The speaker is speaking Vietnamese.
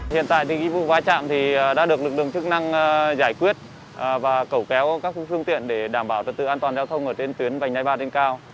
hiện tại vụ va chạm đã được lực lượng chức năng giải quyết và cẩu kéo các phương tiện để đảm bảo tập tự an toàn giao thông trên tuyến vành đai ba trên cao